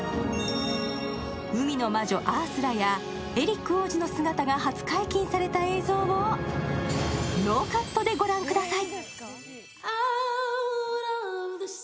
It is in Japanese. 海の魔女・アースラやエリック王子の姿が初解禁された映像をノーカットでご覧ください。